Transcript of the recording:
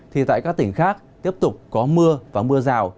thì tại các tỉnh khác tiếp tục có mưa và mưa rào